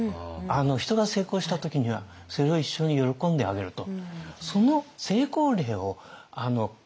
人が成功した時にはそれを一緒に喜んであげると。